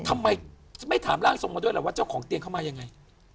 ทำไมไม่ถามร่างทรงมาด้วยแหละว่าเจ้าของเตียงเข้ามายังไง